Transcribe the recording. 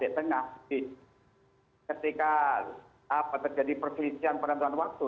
jadi ketika terjadi pergelisian penentuan waktu